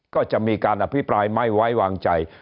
ก็จะมีการอภิปรายไม่ไว้วางใจ